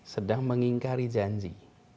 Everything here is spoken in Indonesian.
sedang mengingkari janji